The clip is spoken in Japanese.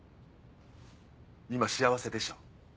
今幸せでしょ？